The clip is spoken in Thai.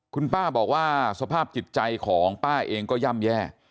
คุณป้าบอกว่าสภาพจิตใจของป้าเองก็ย่ำแย่